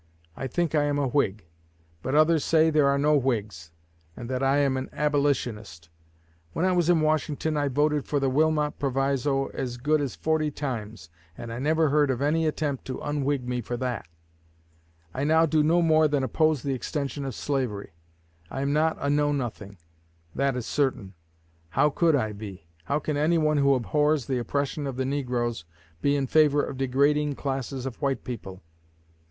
I think I am a Whig; but others say there are no Whigs, and that I am an Abolitionist. When I was in Washington I voted for the Wilmot Proviso as good as forty times, and I never heard of any attempt to unwhig me for that. I now do no more than oppose the extension of slavery. I am not a Know Nothing that is certain. How could I be? How can anyone who abhors the oppression of the negroes be in favor of degrading classes of white people?